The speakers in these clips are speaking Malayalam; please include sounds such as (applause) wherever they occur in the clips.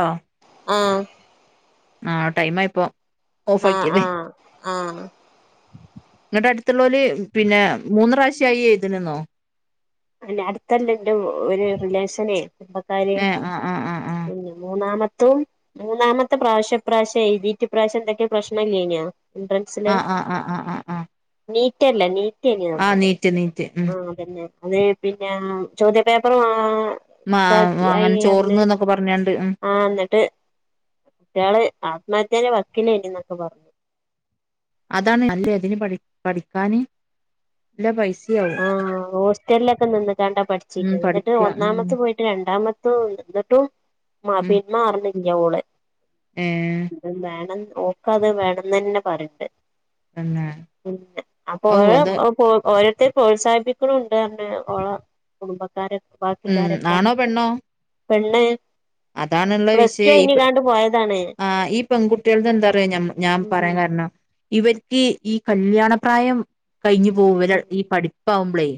ആണോ ആഹ് ആഹ് ടൈമായി ഇപ്പൊ ആഹ് ഓഫാക്കിയതെ ആഹ് ആഹ് ഇന്ന്ട്ട് അട്ത്ത്ള്ളോല് പിന്നെ മൂന്ന് പ്രാവശ്യായി എഴ്ത്ണ്ന്നോ അല്ല അട്ത്തല്ല ഇന്റെ ഒ ഒരു റിലേഷനെ കുടുംബക്കാര് ഏഹ് ആഹ് ആഹ് ആഹ് പിന്നെ മൂന്നാമത്തതും മൂന്നാമത്തെ പ്രാവശ്യം ഇപ്രാവശ്യം എയ്തീറ്റ് ‌ ഇപ്രാവശ്യം എന്തെക്കെയോ പ്രശ്നം ഇലൈനോ എൻട്രൻസ് ആഹ് ആഹ് ആഹ് ആഹ് ആഹ് നീറ്റല്ലേ നീറ്റ് കൈഞ്ഞ്ന്നാ ആഹ് തോന്ന്ണ് നീറ്റ് നീറ്റ് ഉം ആം അതെന്നെ അത് പിന്നെ ചോദ്യ പേപ്പറ് മാ മാ ഇതാക്കി അങ്ങനെ അയ്യെർന്നേ ചോർന്ന് എന്നൊക്കെ പറഞ്ഞാണ്ട് ഉം ആഹ് ഇന്ന്ട്ട് കുട്ട്യേള് ആത്മഹത്യന്റെ വക്കിലേര്ന്നു എന്നൊക്കെ പറഞ്ഞു അതാണ് അല്ലെ ഇതിന് പഠി പഠിക്കാന് നല്ലെ പൈസേ ആഹ് ഹോസ്റ്റൽലക്ക നിന്ന്കാണ്ടാ ഉം പഠിച്ചീന്നത് ഇന്ന്ട്ട് പഠിക്ക ഉം ഒന്നാമത്തെ പോയി ഇന്ന്ട്ട് രണ്ടാമത്തതും ഇണ്ട് ഇന്ന്ട്ടും മാ ഉം പിൻമാറ്ണില്യ ഓള് ഏഹ് അതും വേണം ഓക്കത് വേണംന്നന്നെ പറയ്ണ്ട് പിന്നെ പിന്നെ അപ്പൊ ഔ ഓരോ അത് (unintelligible) ഓരോര്ത്തര് പ്രോത്സാഹിപ്പിക്ക്ണും ഇണ്ട് അർണ് ഓള കുടുംബക്കാര ഉം ബാക്കിക്കാരൊക്ക ആണോ പെണ്ണ് അതാണ്ള്ളെ പ്ലസ് ടു വിഷയേയ് ഇപ് കഴിഞ്ഞ്കാണ്ട് പോയതാണ് ആഹ് ഈ പെങ്കുട്ട്യേൾത് എന്താ അറിയോ ഞമ്മ് ഞാം ഉം പറയാൻ കാരണം ഇവര്ക്ക് ഈ കല്യാണപ്രായം കയ്ഞ്ഞു പോവല് ഉം ഈ പഠിപ്പാവുബ്ലേ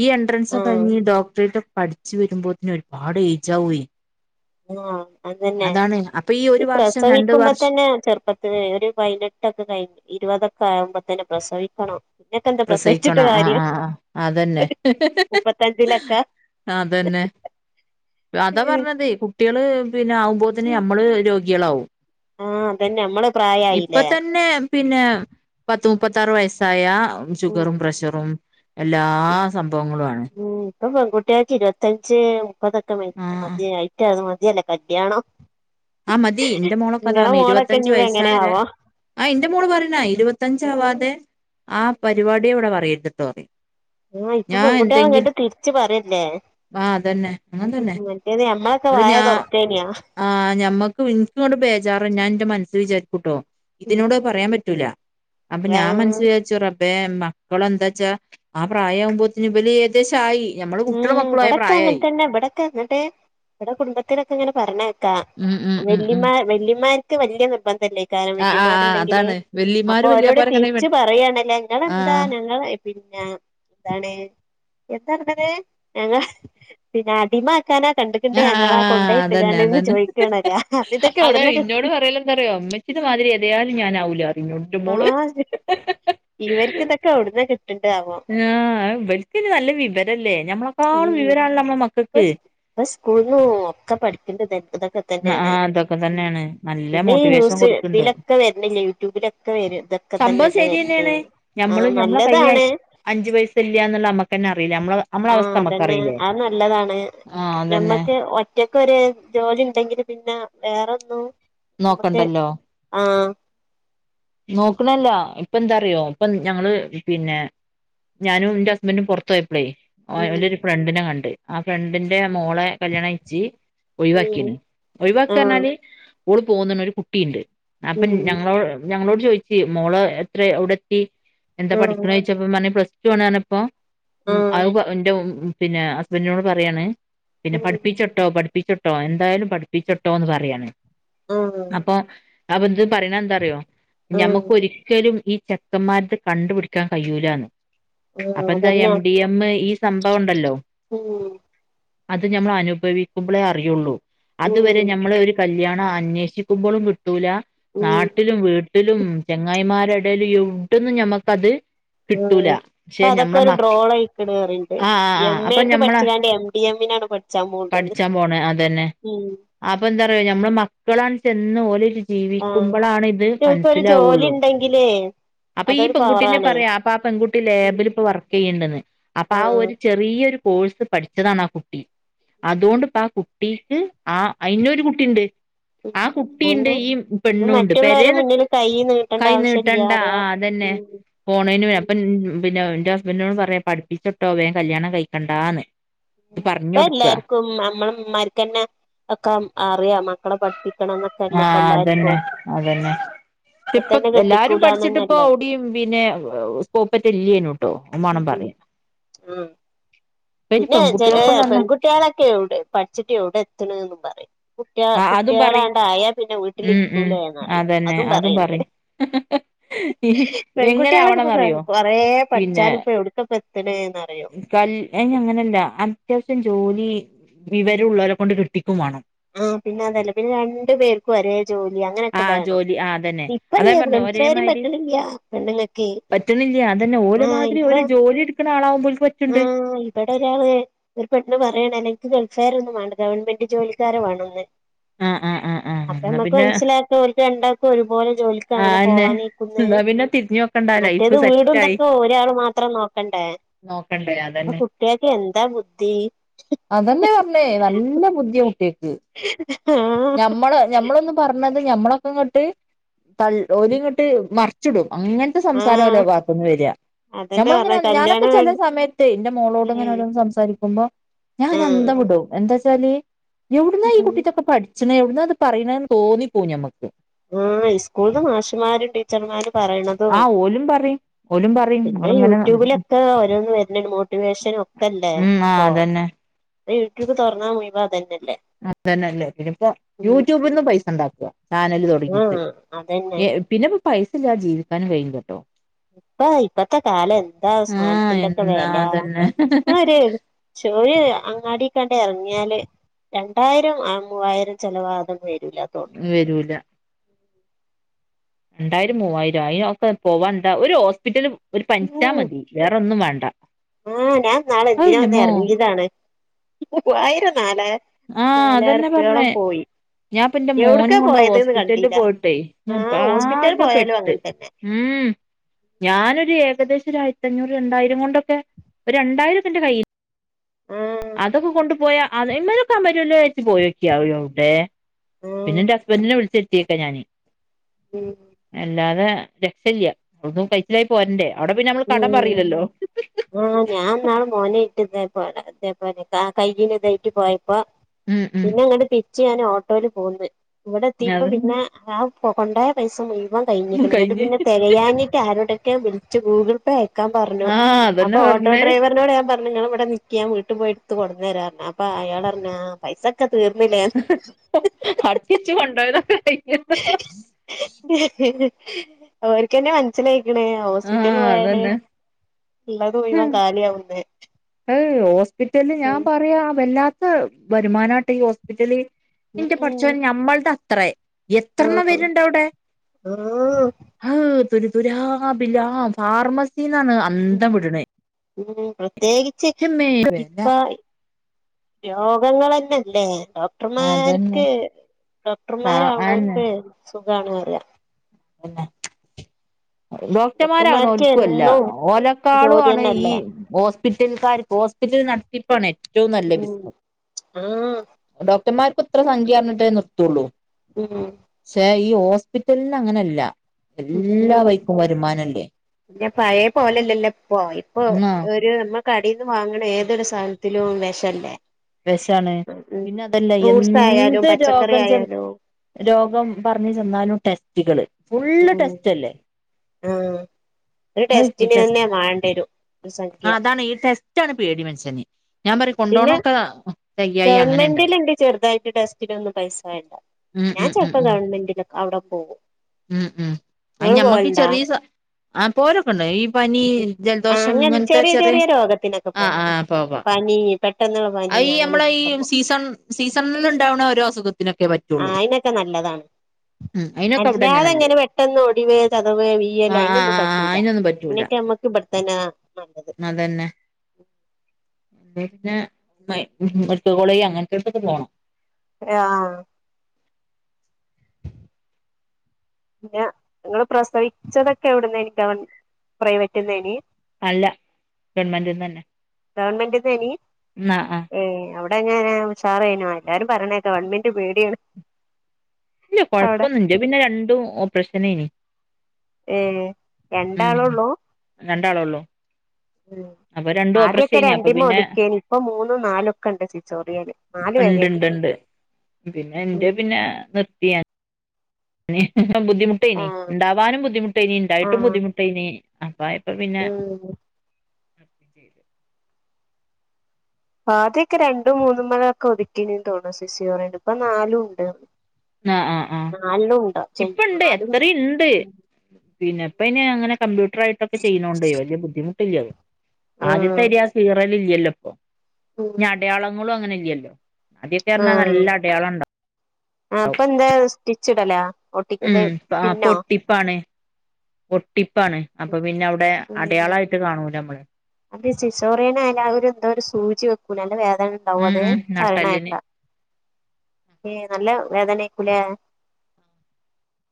ഈ എൻട്രൻസൊ ആഹ് കഴിഞ്ഞ് ഡോക്ടറേറ്റ് പഠിച്ച് വരുമ്പോത്തിന് ഒരുപാട് ഏജാവൊയ് ആഹ് അതന്നെ അപ്പൊ ഈ ഒരു വർഷം രണ്ട് വർഷം പ്രസവിക്കുമ്പതന്നെ ചെർപ്പ രെരു പയ്നെട്ടൊക്കെ കയ്ഞ് ഇരുവതക്കെ ആയമ്പത്തിനെ പ്രസവിക്കണം പിന്നൊക്കെ എന്താ പ്രസവിച്ചിട്ട് പ്രസവിക്കണം ആഹ് കാര്യം ആഹ് ആഹ് അതന്നെ മുപ്പത്തഞ്ചിലൊക്കെ അതന്നെ അതാ പർഞ്ഞതേ കുട്ട്യേള് പിന്നെ ആവുമ്പോത്തിന്ന് യമ്മള് ഇളവു ആഹ് അതന്നെ യമ്മള് ഇപ്പതന്നെ പിന്നെ പത്ത് മുപ്പത്താറ് വയസ്സായ ഷുഗറും ഉം പ്രഷറും എല്ലാ സംഭവങ്ങളു ആണ് ഇപ്പ പെൺകുട്ട്യേൾക്ക് ഇരുപത്തഞ്ച് മുപ്പതൊക്കെ മയ് ആ ആ മത്യാറ്റാന്നു മത്യയല്ലേ കല്യാണോ ആഹ് മതി ന്റെ മോളൊപ്പതാ പർഞ്ഞെ മോളൊക്കെ ഇരുപത്തഞ്ച് ഇനി വയസ്സൊരെ എങ്ങനെയാവോ ആഹ് ഇന്റെ മോള് പറിണാ ഇരുപത്തഞ്ചാവാതെ ആഹ് പരിവാട്യേ ഇവടെ പറയര്ത്ട്ടോറി ആഹ് ഇപ്പൊ പെൺകുട്ട്യേള് ഇങ്ങട്ട് തിര്ച്ച് പറയല്ലേ ആ അതന്നെ അങ്ങനെ തന്നെ മറ്റേത് യമ്മളൊക്കെ വായാ തൊർക്കേന്യാ ആഹ് ഞമ്മക്ക് വിൻക് ഇങ്ങട്ട് ബേജാറ ഞാൻ ഇന്റെ മൻസ് വിജാര്ക്കുട്ടോ ഇതിനോടത് പറയാൻ പറ്റൂല അപ്പൊ ഞാം ആഹ് മൻസ് വിജാര്ച്ചു റ ബ്ബേ മക്കളെ എന്താച്ചാ ആഹ് പ്രായാംവുമ്പോത്തിന് ബല് യെ ത്യശായി ഞമ്മള് കുട്ട്യാളും മക്കളു ആയ പ്രായായി തെന്നട്ടെ ഇവടെ കുടുംബത്തിലൊക്കെ ഇങ്ങനെ പറിണേക്കാ ഉം ഉം ഉം ഉം വെല്ലിമ്മ വെല്ലിമ്മാര് ക്ക് വല്യയ നിർബന്ധല്ലേ ക്കാരം ആ ആ ആ വല്ലിമ്മാര്ണ്ടെങ്കില് അതാണ് വല്ലിമാര് അപ്പൊരോട് വല്യാപ്പാരൊക്കെണ്ടെങ്കി പെ തിരിച്ച് പറയാണല്ലേ ആ ഇങ്ങളെന്താ ഞങ്ങളെ പിന്നെ എന്താണ് എത്താൺ ത്താണ് ഞങ്ങളെ പിന്നെ അടിമാക്കാനാ ആ കണ്ടിക്ക്ണ്ടേ ആ ഞങ്ങളാ ആ, അതന്നെ കൊണ്ടോയിട്ട്ങ്ങാണ്ട് അതന്നെ ചോയിക്കാണല ഇതൊക്കെ എവിട്ന്നാ കിട്ട് പ്പേലക്കറ്യോ ഇമ്മച്ചിൻ്റെമാതിരി ഏതയാലും ഞാൻ ആവൂലാറിം ഇന്നോട് ഇൻ്റെ മോള് ഇവര്ക്ക് ഇതക്കെ എവ്ട്ന്നാ കിട്ട്ണ്ടാവോ ആഹ് ഇവര്ക്ക്ഞ് നല്ല വിവരല്ലേ ഞമ്മള ഉം പ്പസ് പസ്കൂൾന്നും ഒക്ക പഠിക്കണ്ടതെ ആഹ് ഇതൊക്കെതന്നെണ് അതൊക്കെ ഉം തന്നെയാണ് നല്ല പിന്നെ ഈ മോട്ടിവേഷൻ ന്യൂസ് കൊടുക്ക്ണ്ട് തിലക്കെ വര്നില്ലേ യൂട്യൂബില ക്കെ വരും സംഭവം തക്കതന്നെല്ലേ വര്ൻ്റെ ശരിയെന്നേണ് ആഹ് നല്ലതാണ് അഞ്ച് പൈസല്ല്യാന്ന്ള്ളത് അമ്മക്കന്നെ അറീലേ അമ്ളാ ആഹ് അതന്നെ ആത് നല്ലതാണ് ആഹ് അതന്നെ ഞമ്മക്ക് ഒഹ് റ്റക്കൊര് ജോലി ഉണ്ടെങ്കിൽ പിന്നെ വേറൊന്നും നമക്ക് നോക്കണ്ടല്ലോ ആഹ് നോക്ക്ണല്ലാ ഇപ്പന്താറിയോ ഇപ്പം ഞങ്ങള് പിന്നെ ഞാനും ന്റെ ഹസ്ബൻ്റും പൊറത്തോയപ്ലേ ഓയ ഉം ഓലര് ഫ്രണ്ടിനെ കണ്ട് ആ ഫ്രണ്ടിന്റെ മോളെ കല്യാണയിച്ച് ഉം ഒഴിവാക്കിണ് ആ ഒഴിവാക്കാർഞ്ഞാല് ഓള് പോന്ന്ണ് ഒരു കുട്ടീണ്ട് അപ്പം ഉം ഞങ്ങളോ ഞങ്ങളോട് ചോയിക്കേ മോള എത്രേ എവ്ടെത്തി ഉം എന്താപഠിക്ക്ണേ ച്ചപ്പം പർഞ്ഞ് പ്ലസ് റ്റു ആണ് പർഞ്ഞപ്പോ ഉം അത് പഇന്റെ മു പിന്നെ ഹസ്ബൻൻ്റിനോട് പറയാണ് പിന്നെ പഠിപ്പിച്ചട്ടോ പഠിപ്പിച്ചോട്ത്തോ എന്തായാലും പഠിപ്പിച്ചോട്ടോ ന്ന് പറയാണ് ഉം ഉം അപ്പൊ അപത് പറിണന്താറിയോ ഉം ഞമ്മക്കൊ രിക്കലും ഈ ചെക്കമ്മാര്ത് കണ്ട്പിടിക്കാകയ്യൂലാന്ന് ആഹ് അപ്പന്താ അതന്നെ എം ഡി യമ്മ് ഈ സംഭവണ്ടല്ലോ ഉം അത് ഞമ്മൾ അനുഭവിക്കുമ്പളേ അറിയുള്ളൂ അതുവരെ ഉം ഞമ്മൾ ഒരു കല്യാണം അന്വേഷിക്കുമ്പോളും കിട്ടൂല ഉം നാട്ടിലും വീട് ട്ടിലും ചെങ്ങായിമാരെ ഇടയിലും എവിടന്നും ഞമ്മക്കത് കിട്ടൂല ആഹ് ഇപ്പൊ പക്ഷെ അതൊക്കെ ഞമ്മളെ ഒരു മക് ഡ്രോളയിക്ക്ണ് പറിണ്ട് ആഹ് ആഹ് എം ആഹ് അപ്പൊ എക്ക് ഞമ്മളെ പഠിച്ച്കാണ്ട് എം ഡി എമ്മിനാണ് പഠിച്ചാൻ പോവ്ണ്ട്ന്ന് പഠിച്ചാൻ പോണ അതന്നെ ഉം അപ്പൊ എന്താ അറിയോ ഞമ്മള മക്കളാണ് ചെന്ന് ഓലൊരു ജീവിക്കുമ്പളാണ് ഇത് ഇപ്പൊരു ജോലി മനസ്സിലാവുള്ളൂ ണ്ടെങ്കിലേ അപ്പൊ ഈ പെൺകുട്ട്യന്നെ പറയാ അപ്പൊ ആ പെൺകുട്ടി ഉം ലേബിലിപ്പൊ വർക്ക് ചെയ്യണ്ടന്ന് അപ്പൊ ആ ആഹ് ഒരു ചെറിയൊരു കോഴ്സ് പഠിച്ചതാണ് ആ കുട്ടി അതുകൊണ്ട് ഇപ്പ ആ കുട്ടീക്ക് ആ അയിനൊരു കുട്ടിണ്ട് ഉം ആ കുട്ടീണ്ട് അതന്നെ ഈ പെണ്ണുംണ്ട് മറ്റുള്ളവരെ പെരേന്ന് മുന്നില് കൈ നീട്ടണ്ട കൈ ആവശ്യല്ല്യ നീട്ടണ്ട പറയാ ആ അതന്നെ ഉം പോണേന് വേ അപ്പം പിന്നെ എൻ്റെ ഹസ്ബൻറിനോട് പറയാ പഠിപ്പിച്ചിട്ടോ വേം കല്യാണം കഴിക്കണ്ടാന്ന് ഇത് ഉം ഇപ്പ പറഞ്ഞൊടുക്ക എല്ലാര്ക്കും അമ്മള് മ്മാര്ക്കന്നെ ഒക്കെ അറിയാം മക്കളെ പ ആഹ് അതന്നെ അതന്നെ ഇപ്പ ഇപ്പം തന്നെ എല്ലാരും പഠിച്ചിട്ട് ഇപ്പോ കെട്ടിക്കൂലന്നന്നല്ലേ ഇവിടയും പിന്നെ സ്കോപ്പൊറ്റില്ലേനു ട്ടോ ഉമ്മാണം പറയ് ഉം പിന്നെ ചെല പെൺകുട്ടികൾക്കും തന്നെ പെൺകുട്ടികളൊക്കെ എവിടെ പഠിച്ചിട്ട് എവിടെ എത്തണും ന്ന് പറയും കുട്ടിക ആ അതും പറയും കുട്ടികളാണ്ടായാ പിന്നെ വീട്ടിൽ ഉം ഉം ഇക്കൂലേന്നറയും അതന്നെ അതും പറയണ്ട് പറയും എങ്ങനെ പെൺകുട്ടികളൊക്കെ ഇപ്പ ആവണംന്നറിയോ കൊറേ പിന്നെ പഠിച്ചാലും ഇപ്പൊ എവിടക്കപ്പ എത്തണേന്ന്റയും കൽ ഏ ഇന്യങ്ങനല്ല അത്യാവശ്യം ജോലി വിവരുള്ളവരെ കൊണ്ട് കെട്ടിക്കും വേണം ആഹ് പിന്നതല്ല പിന്നെ രണ്ടു പേർക്കും ഒരേ ജോലി അങ്ങനൊക് ആ ക്കെ വേണം ജോലി ആ അതന്നെ അതാ ഞാൻ ഇപ്പല്യേ പറഞ്ഞെ ഗൾഫ്കാരും പറ്റണില്യ പെണ്ണുങ്ങക്ക് പറ്റണില്യ അതന്നെ ആഹ് ഓലെമാതിരി ഇപ്പ ഒരു ജോലി എടുക്ക്ണ ആളാവുമ്പോ ഓൽക്ക് പറ്റുണ്ട് ആഹ് ഇവിടെ ഒരാള് ഒരു പെണ്ണ് പറയാണ് എനിക്ക് ഗൾഫാരെ ഒന്നും വേണ്ട ഗവൺമെന്റ് ജോലിക്കാരെ വേണംന്ന് ആഹ് ആഹ് ആഹ് ആഹ് അപ്പൊ ഞമ്മുക്ക് മനസ്സിലാക്കും ഓൽക്ക് രണ്ടാക്കും ഒരുപോലെ ജോലിക്ക് ആ അങ്ങനെ അന്നെ പോവാനെയ്ക്കുംന്ന് എന്താ പിന്നെ തിരിഞ്ഞു നോക്കണ്ട ലൈഫ് മറ്റേത് വീടും സെറ്റായി ഇതൊക്കെ ഒരാള് മാത്രം നോക്കണ്ടേ നോക്കണ്ടേ അത് ഇപ്പൊ കുട്ടികൾക്ക് എന്താ ബുദ്ധി അതെന്നെ പറഞ്ഞേ നല്ല ബുദ്ധിയാ കുട്ട്യക്ക് ആഹ് മ്മള് ഞമ്മളൊന്ന് പറഞ്ഞത് ഞമ്മളൊക്കെ ഇങ്ങോട്ട് തൾ ഓലിങ്ങോട്ട് മറ് ച്ചിടും അങ്ങനത്തെ സംസാരാ ആഹ് ഓലെ ഭാഗത്തുനിന്ന് വരിക അതന്നെ ഞമ്മളങ്ങനെ പറഞ്ഞെ ഞാനൊക്കെ കല്യാണം ചെല വേണ്ട സമയത്ത് എന്റെ മോളോട് ഇങ്ങനെ ഉം ഓരോന്ന് സംസാരിക്കുമ്പോ ആഹ് ഞാനന്തംവിടും എന്താച്ചാല് എവിടെ ഉം പഠിച്ചണ എവിടന്നാ അത് പറയണേന്ന് തോന്നിപ്പോം ഞമ്മുക്ക് ആഹ് ഇസ്കൂൾന്ന് മാഷ്മാരും ടീച്ചർമാരും പറയണതും ആഹ് ഓലും പറയും ഓലും പറയും പിന്നെ ഇങ്ങളിങ്ങനെ യൂട്യൂബിലൊക്കെ ഓരോന്നു വരുന്നെ മോട്ടിവേഷനും ഒക്കെല്ലേ ഉം ആഹ് അതന്നെ അത് യൂട്യൂബ് തുറന്നാ മുയിവം അതന്നെയല്ലേ? അതന്നെല്ലേ പിന്നെ ഇപ്പം യൂട്യൂബിൽന്നന്ന് പൈസ ഉണ്ടാക്കുക ചാനല് തുടങ്ങിയിട്ട്. ആഹ് അതന്നെ പിന്നെപ്പൊ പൈസ ഇല്ലാ ജീവിക്കാനും കഴിയു ലട്ടോ. ഇപ്പ ഇപ്പത്തെ കാലം എന്താ അവ ആഹ് സ്ധനത്തിന്റെഒക്കെ എന്താ വല. അതന്നെ ആ ചോര് അങ്ങാടി കണ്ട് ഇറങ്ങിയാല്. രണ്ടായിരം ആ മൂവായിരം ചെലവാവതെ വരൂല്ലതോന്ണ്. വരൂല. രണ്ടായിരം മൂവായിരം അതിനൊക്കെ പോവാണ്ട ഒരു ഹോസ്പിറ്റല് ഒരു പനി ഞ്ചാ മതി വേറെന്നും വേണ്ട. ആഹ ഞാൻ നാള് എന്തിനാ ഒന്ന് അതെന്റമ്മോ ഇറങ്ങിയതാണ് മുവയിരം നാല്യിരം. ആഹ അതന്നെ പറണ്. ഞാൻ പ്പന്റെ മോനിം എവിടക്കാ കൊണ്ട് പോയത്ന്ന് ഹോസ്പിറ്റലില് കണ്ടില്ല പോയിട്ടെ ഞാൻ ആഹ് ഹോസ്പിറ്റൽ പോയാലും പാകപ്പെട്ട്. അങ്ങനെ തന്നെ ആഹാ ഞാനൊരു ഏകദേശം ഒരു ആയിരത്തി അഞ്ഞൂറ് രണ്ടായിരം കൊണ്ടൊക്കെ ഒരു രണ്ടായിരംത്തി എന്റെ കയ്യിൽ. ആഹ് അതൊക്കെ കൊണ്ടു പോയാ അത് ഇയിമ്മലെക്കെ അമരെല പോയ് നൊകി. എവിടെ ആഹ് പിന്നെ ഹസ്ബൻഡിനെ വിളിച്ച് എത്തിക്കാണ് ഞാന്. ഉം അല്ലാതെ രക്ഷ് യില ഒന്നും കഴിച്ചിലായി പോരന്റെേ അവിടെ പിന്നെ നമ്മൾ കടം ഉം പറയില്ലല്ലോ? ആഹ് ഞാൻ ന്നാള്മോനെ ഇട്ട് ഇതേ പോലെ അതേപോലെ കയ്യിൽ ഇതായിട്ട് പോയപ്പോ ഉം ഉം പിന്നെ ഇങ്ങട്ട് തിരിച്ച് ഞാൻ ഓട്ടോൽ പോന്ന് ഇവിടെ എത്തീപ്പം അതന്നെ പിന്നെ ആ കൊണ്ടായ പൈസ മുഴുവൻ കഴിഞ്ക്ണ്. എന്നിട്ട് കഴിഞ്ഞ് പിന്നെ തികയാഞ്ഞിട്ട് ആരോടൊക്കെ വിളിച്ച് ഗൂഗിൾ അപ്പ അയക്കാൻ പറഞ്ഞു ആഹ് അപ്പൊ അതന്നെ ഓട്ടോ പറഞ്ഞേ ഡ്രൈവറിനോട് ഞാൻ പറഞ്ഞു. ഞാൻ പറഞ്ഞി നിങ്ങള് ഇവിടെ നിക്കി ഞാൻ വീട്ടിൽ പോയി എടുത്ത് കൊടുന് തരാം അപ്പൊ അയാൾപറഞ്ഞി ആ പൈസക്കെ തീർന്നു ല്ലേ അട്ടിച്ചു കൊണ്ടോയതൊക്കെ കഴിഞ്ഞ് ഹഹഹ ഓർക്ക്ന്നെ മനസിലായിക്കണ് ഹോസ്പിറ്റൽ പോയാല്. ഇള്ളത് ഹ് മുഴുവൻ കാലിയാവുന്ന് അഹ് ഹോസ്പിറ്റലിൽ ഞാൻ പറയാ വല്ലാത്ത. വരുമാനട ഈ ഹോസ്പിറ്റല് ഇന്റെ ഉം പടച്ചോനെ ഞമ്മളുടെ അത്രേ. എത്രണ്ണം ആഹ് വരുണ്ട് അവിടെ. ആഹ് ഹ് തുരു തുരാ ബില്ലാ ഫാർമസിന്നാണ് അന്തം വിട്ണേ ഉം പ്രത്യേകിച്ച് ന്റെമ്മേ വെല ഇപ്പാ രോഗങ്ങള്നെ അല്ലേ. അതന്നെ ഡോക്ടർമാർക്ക് ആ ഡോക്ടർമാർആവണ് അന്നെ ൾക്ക് സുഖാണ്. അറിയാ അതെന്നെ ഡോക്ടർമാരണോ ഡോക്ടർമാർക്ക് ഒൽക്കുമല്ല. എന്നും ഓലക്കാളും ആണ് ഈ ജോലിയന്നല്ലേ ഹോസ്പിറ്റൽക്കാർക്ക് ഹോസ്പിറ്റൽ നടത്തിപ്പാണ് ഏറ്റവും നല്ല ഉം ബിസിനസ്സ്. ആഹ് ഡോക്ടർമാർക്ക് ഇത്ര സംഖ്യ അറിഞ്ഞിട്ടേ നിർത്തുള്ളൂ. ഉം ക്ഷേ ഈ ഹോസ്പിറ്റലിൻ അങ്ങനെല്ല. ഉ പിന്നെ പഴയ പോലല്ലല്ലോ ഇപ്പ ഇപ്പൊ ആഹ് ഒരു നമ്മക് ക്കടിയിന്ന് വാങ്ങ്ണ ഏതൊരു സ്ഥധനത്തിലും വെശല്ലേ. വശമാണ്. പിന്നെ അതല്ല ഫ്രൂട്ട്സ് ആയാലും എന്ത് പച്ചക്കറി രോഗം ചന്ന്. ആയാലും രോഗം പറഞ്ഞു ചെന്നാലും ടെസ്റ്റുകള് ഫുള്ള് ഉം ടെസ്റ്റ്ല്ലേ? ആഹ് ഒരു ടെസ്റ്റിന് തന്നെ മാണ്ടരും. ഒരു ആ സംഖ്യ അതാണ് ഈ ടെസ്റ്റാണ് പേടി മനുഷ്യൻന്. ഞാൻ പറയും കൊണ്ടോണക്കെ? ഗവൺമെന്റിൽണ്ട് ചെറുതായിട്ട് ടെസ്റ്റിലൊന്നും. പൈസ വേണ്ട. ഉം ഞാൻ ഉം ചെല ഉം പ്പോ ഉം ഗവൺമെന്റി. അവിടെ പോകും ഉം ഉം അത് നിങ്ങള് ഞമ്മക്ക് പോവലുണ്ടാ ചെറിയ സാധ ആഹ് പോരൊക്കെ ഉണ്ട് ഈ പനി ആ ജലദോഷം അങ്ങനെ ഇങ്ങനത്തെ ചെറിയ (unintelligible) ആഹ് ആഹ് പോവാം പനി പെട്ടെന്നുള്ള പനി അത് ഈ അങ്ങനെ നമ്മളെ ഈ സീസൺ സീസണിൽണ്ടാവുന്ന ഓരോ അസുഖത്തിനൊക്കെ പറ്റും ആഹ് അയിതിനൊക്കെ നല്ലതാണ് അയിനൊക്കെ അവിടെന്നെ അല്ലാതെ നല്ലേ അങ്ങനെ പെട്ടെന്ന് ഒടിവ് ചതവ് വീ്യൽ ആ ആ അതിനൊന്നും ആ പറ്റൂല അയിനൊന്നും പറ്റൂല എന്നിട്ട് അമ്മക്ക് തന്ന നല്ലത് പിന്ന മെഡിക്കൽ കോളേജ് അങ്ങനത്തൊക്കെ പോണം ആഹ് പിന്നെ നിങ്ങള് പ്രസവിച്ചതൊക്കെ എവിടുന്ന പ്രൈവറ്റന്നേനി അല്ല ഗവൺമെന്റിന്ന് തന്നെ ഗവൺമെന്റിന്നേനി ആ ആ ഏ അവിടെ എങ്ങനെ ഉഷാറയിനോ എല്ലാരും പറണേക്കാ ഗവൺമെന്റ് പേടിയാണ് ഇല്ല അവിടെ കൊഴപ്പൊന്നും ഇല്ല പിന്നെ രണ്ടു ഓപ്രശ്നേന് ഏ രണ്ടാളെ ഉള്ളൂ രണ്ടാളോള്ളൂ ഉം ആദ്യൊക്കെ അപ്പൊ രണ്ടിമ്മ പിന്നെ ഒതുക്കിയന് ഇപ്പൊ മൂന്നും നാലൊക്കെ ഉണ്ട് സിസേറിയൻ നാല് വരെ ഇണ്ട് ഉണ്ട് ഇണ്ട് ഇണ്ട് പിന്നെ എന്റെ പിന്നെ നിർത്തിയ- ബുദ്ധിമുട്ടേനി ആഹ് ഉണ്ടാവാനും ബുദ്ധിമുട്ടേനി ഇ ണ്ടായിട്ടും ആഹ് ബുദ്ധിമുട്ടേനി അപ്പ ഇപ്പ പിന്നെ ഉം (unintelligible) ആ ആദ്യൊക്കെ രണ്ടും മൂന്നും മഴൊക്കെ ഒതുക്കിണ് ട്ടോ സിസേറിയൻ ഇപ്പൊ നാലും ഉണ്ട് ആഹ് ആഹ് നാല്ലണണം ഉണ്ടോ ഇപ്പ ചെയ്യും ഇണ്ട് നാലും എത്രണ്ട് പിന്നെ ഇപ്പ ഇനി അങ്ങനെ കമ്പ്യൂട്ടർ ആട്ടൊക്കെ ചെയ്യതോണ്ടേോ വലിയ ബുദ്ധിമുട്ടില്ലോ ആദ്യത്തെ ആഹ് മാതിരി ആ കീറൽ റൽ ഇല്ലല്ലോ ഇപ്പൊ ഉം അടയാളങ്ങളും അങ്ങനെ ഇല്ലല്ലോ ആദ്യൊക്കെ പറഞ്ഞാൽ നല്ല അടയാളം ഉണ്ടാവും ആ അപ്പ എന്താ സ്റ്റിച്ച് ഇടലോ ഒട്ടിക്കുത് ഉം പിന്നോ പൊട്ടിപ്പാണ് ഒട്ടിപ്പാണ് അപ്പൊ പിന്നെ അവിടെ ഉം അടയാളയിട്ട് കാണൂല നമ്മള് അത് സിസോറിയൻയയാല് ഒരു എന്തോ ഒരു സൂചി വെക്കൂല അല്ല വേദന ഉണ്ടാവും ഉം അത് ഉം നട്ടെല്ലിന് പറയണയകേക്കാം ഏ നല്ല വേദനയ്ക്കൂലോ